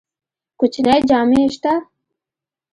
کوچنی جامی شته؟